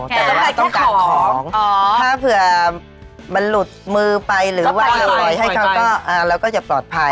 แต่ต้องไปต้องขายของถ้าเผื่อมันหลุดมือไปหรือว่าปล่อยให้เขาก็เราก็จะปลอดภัย